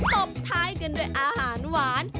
ตบท้ายกันด้วยอาหารหวาน